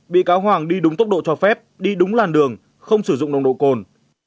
bị cáo hoàng đi đúng tốc độ cho phép đi đúng làn đường không sử dụng nồng độ cồn